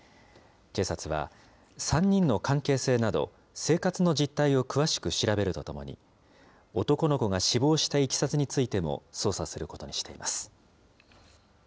警察は、３人の関係性など、生活の実態を詳しく調べるとともに、男の子が死亡したいきさつについても、捜査することにしています。